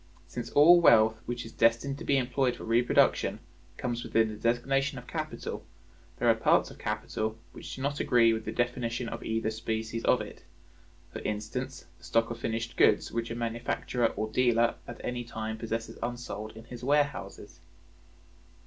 Since all wealth which is destined to be employed for reproduction comes within the designation of capital, there are parts of capital which do not agree with the definition of either species of it; for instance, the stock of finished goods which a manufacturer or dealer at any time possesses unsold in his warehouses.